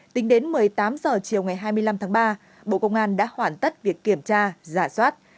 tính đến một mươi tám h chiều ngày hai mươi năm tháng ba bộ công an đã hoàn tất việc kiểm tra giả soát